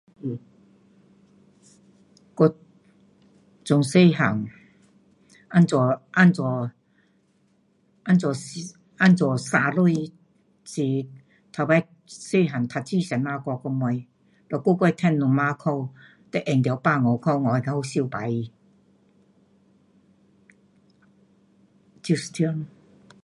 我从小汉怎样，怎样，怎样，怎样省钱，是头次小汉读书先生教我们，每个月赚两百块，你用掉百五块，五十块收起。就是这样。